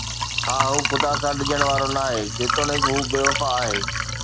ها، هو خدا کان ڊڄڻ وارو ناهي، جيتوڻيڪ هو بي وفا آهي